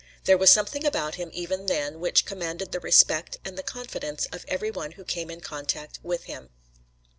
There was something about him even then which commanded the respect and the confidence of every one who came in contact with him.